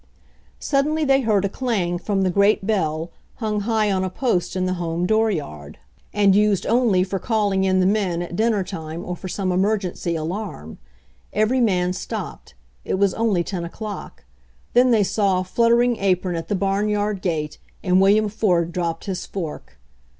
Suddenly they heard a clang from the great bell, hung high on a post in the home dooryard, f \ ONE SUMMER'S DAY 3 and used only for calling in the men at dinner time or for some emergency alarm. Every man stopped. It was only 10 o'clock. Then they saw a fluttering apron at the barnyard gate, and Wil liam Ford dropped his fork.